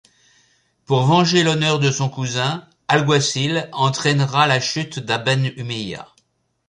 Pour venger l'honneur de son cousin, Alguacil entraînera la chute d'Abén Humeya.